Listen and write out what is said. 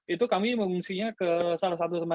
itu kami mengungsinya ke salah satu tempat